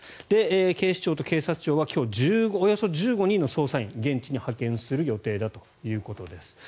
警視庁と警察庁はおよそ１５人の捜査員を現地に派遣する予定だということです。